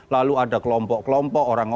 lalu ada kelompok kelompok orang lain